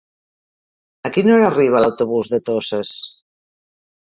A quina hora arriba l'autobús de Toses?